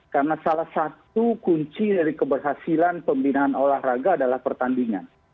karena salah satu kunci dari keberhasilan pembinaan olahraga adalah pertandingan